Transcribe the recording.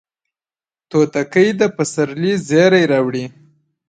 توتکۍ د پسرلي زیری راوړي